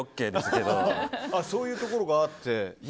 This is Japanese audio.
そういうところがあって。